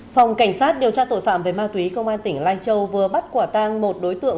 phòng cảnh sát điều tra tội phạm về ma túy công an tỉnh lai châu vừa bắt quả tang một đối tượng